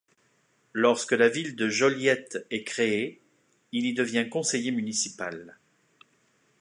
Lorsque la ville de Joliette est créée, il y devient conseiller municipal.